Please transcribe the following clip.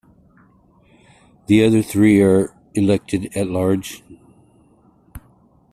The other three are elected at-large.